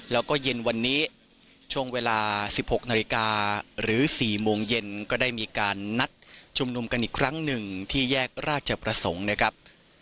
แล้วก็เย็นวันนี้ช่วงเวลา๑๖นาฬิกาหรือ๔โมงเย็นก็ได้มีการนัดชุมนุมกันอีกครั้งหนึ่งที่แยกราชประสงค์นะครับ